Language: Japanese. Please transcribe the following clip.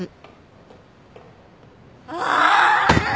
ああ！